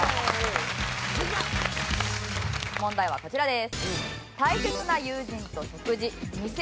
問題はこちらです。